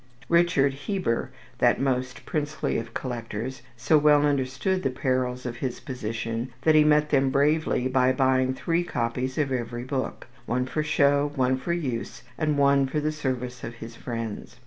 Richard Heber, that most princely of collectors, so well understood the perils of his position that he met them bravely by buying three copies of every book, one for show, one for use, and one for the service of his friends.